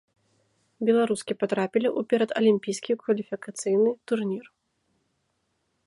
Беларускі патрапілі і ў перадалімпійскі кваліфікацыйны турнір.